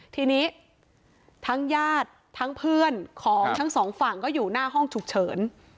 ทีนี้ทั้งญาติทั้งเพื่อนของทั้งสองฝั่งก็อยู่หน้าห้องฉุกเฉิน